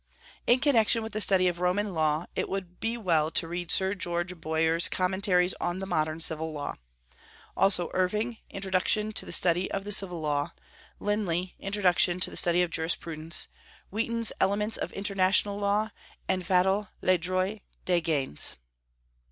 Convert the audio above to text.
In connection with the study of the Roman law, it would be well to read Sir George Bowyer's Commentaries on the Modern Civil Law. Also Irving, Introduction to the Study of the Civil Law; Lindley, Introduction to the Study of Jurisprudence; Wheaton's Elements of International Law; and Vattel, Le Droit des Gens.